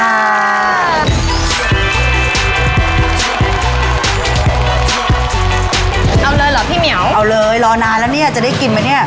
เอาเลยเหรอพี่เหมียวเอาเลยรอนานแล้วเนี่ยจะได้กินไหมเนี่ย